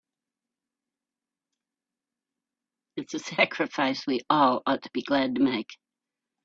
It's a sacrifice we all ought to be glad to make.